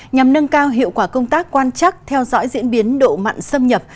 nhằm nâng cao hiệu quả công tác quan chắc theo dõi diễn biến độ mặn xâm nhập